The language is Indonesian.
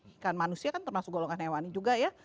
ikan manusia kan termasuk golongan hewani juga ya